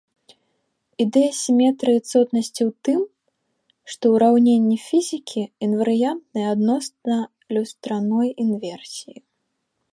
Ідэя сіметрыі цотнасці ў тым, што ўраўненні фізікі інварыянтныя адносна люстраной інверсіі.